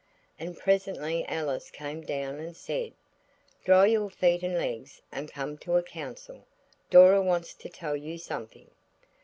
And presently Alice came down and said– "Dry your feet and legs and come to a council. Dora wants to tell you something."